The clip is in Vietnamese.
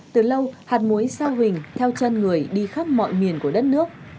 từ lâu hạt muối sao hình theo chân người đi khắp mọi miền của đất nước